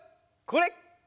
これ！